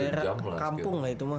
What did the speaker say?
daerah kampung gak itu mas